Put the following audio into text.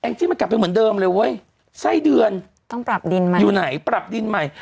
ที่มันกลับไปเหมือนเดิมเลยเว้ยไส้เดือนต้องปรับดินใหม่อยู่ไหนปรับดินใหม่